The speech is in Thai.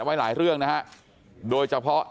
ไว้หลายเรื่องนะฮะโดยเฉพาะ